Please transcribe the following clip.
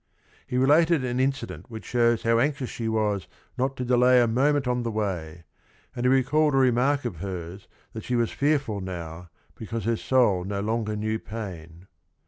He related an incident which shows how anxious she was not to delay a moment on the way and he recalled a remark of hers that she was fearful now be cause her soul no longer knew pain.